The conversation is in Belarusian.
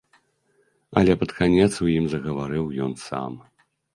Але пад канец у ім загаварыў ён сам.